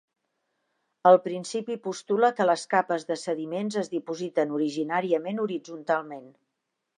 El principi postula que les capes de sediments es dipositen originàriament horitzontalment.